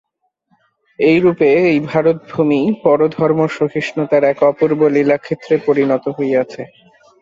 এইরূপে এই ভারতভূমি পরধর্ম-সহিষ্ণুতার এক অপূর্ব লীলাক্ষেত্রে পরিণত হইয়াছে।